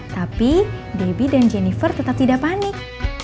tapi debbie dan jennifer tetap tidak panik